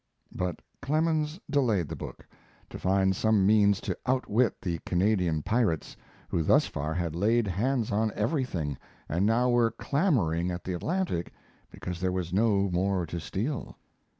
But Clemens delayed the book, to find some means to outwit the Canadian pirates, who thus far had laid hands on everything, and now were clamoring at the Atlantic because there was no more to steal.